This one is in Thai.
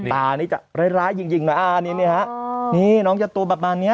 ตานี้จะร้ายร้ายหญิงหญิงนะอ่าเนี้ยเนี้ยฮะนี่น้องเจ้าตัวแบบบ้านเนี้ย